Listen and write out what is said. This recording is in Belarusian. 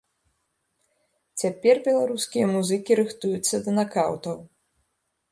Цяпер беларускія музыкі рыхтуюцца да накаўтаў.